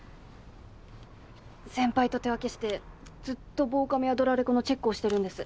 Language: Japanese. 先輩と手分けしてずっと防カメやドラレコのチェックをしてるんです。